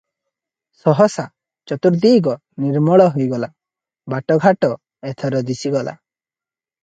ସହସା ଚତୁର୍ଦିଗ ନିର୍ମଳ ହୋଇଗଲା, ବାଟ ଘାଟ ଏଥର ଦିଶିଗଲା ।